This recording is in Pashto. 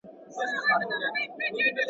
لمر یې په نصیب نه دی جانانه مه راځه ورته.